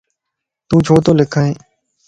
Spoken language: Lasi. تون ڇو تو لکائين؟